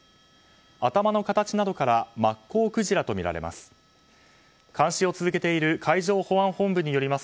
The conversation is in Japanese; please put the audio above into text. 頭の形などからマッコウクジラとみられます。